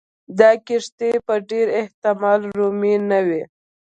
دا کښتۍ په ډېر احتمال رومي نه وې.